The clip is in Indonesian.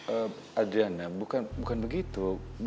eh adriana bukan begitu